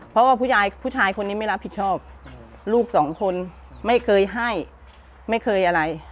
เพราะว่าผู้ชายผู้ชายคนนี้ไม่รับผิดชอบลูกสองคนไม่เคยให้ไม่เคยอะไร